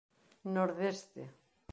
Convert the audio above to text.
Nordeste